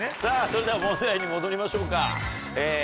さぁそれでは問題に戻りましょうか。